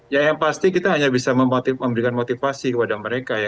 ya yang pasti kita hanya bisa memberikan motivasi kepada mereka ya